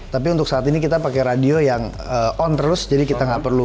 tapi untuk saat ini kita pakai radio yang on terus jadi kita nggak perlu